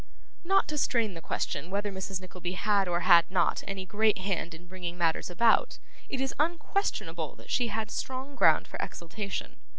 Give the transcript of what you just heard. Not to strain the question whether Mrs. Nickleby had or had not any great hand in bringing matters about, it is unquestionable that she had strong ground for exultation.